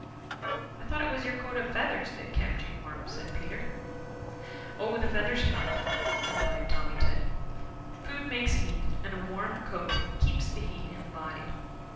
"I thought it was your coat of feathers that kept you warm," said Peter. "Oh, the feathers help," replied Tommy Tit. "Food makes heat and a warm coat keeps the heat in the body.